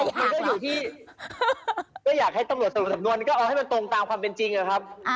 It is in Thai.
มันก็อยู่ที่ก็อยากให้ตำรวจสรุปสำนวนก็เอาให้มันตรงตามความเป็นจริงนะครับ